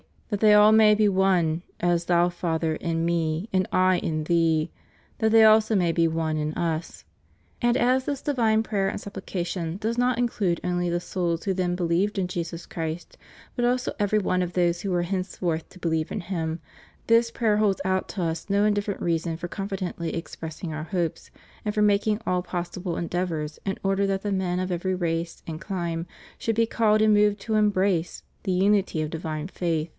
. that they all may be one, as thou Father in Me, and I in Thee: that they also may he one in Us. And as this divine prayer and supplication does not include only the souls who then believed in Jesus Christ, but also every one of those who were henceforth to believe in Him, this prayer holds out to Us no indifferent reason for confidently expressing Our hopes, and for making all possible en deavors in order that the men of every race and clime should be called and moved to embrace the imity of divine faith.